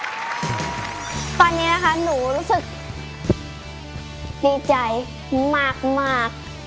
ตอนนี้นะคะหนูรู้สึกดีใจมาก